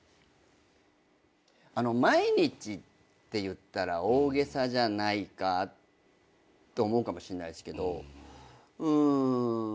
毎日って言ったら大げさじゃないかって思うかもしれないですけどうーん